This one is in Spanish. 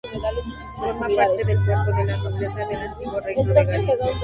Forma parte del "Cuerpo de la Nobleza del Antiguo Reino de Galicia".